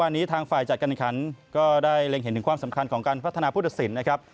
วันนี้ทางฝ่ายจัดการขันก็ได้เล็งเห็นถึงความสำคัญของการพัฒนาผู้ตัดสินนะครับ